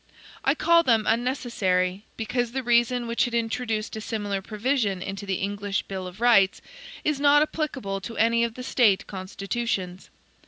I call them unnecessary, because the reason which had introduced a similar provision into the English Bill of Rights is not applicable to any of the State constitutions.